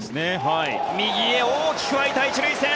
右へ大きく空いた１塁線！